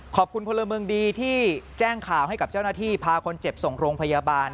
ขอบคุณพลเมืองดีที่แจ้งข่าวให้กับเจ้าหน้าที่พาคนเจ็บส่งโรงพยาบาล